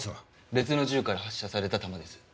別の銃から発射された弾です。